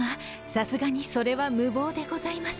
さすがにそれは無謀でございます。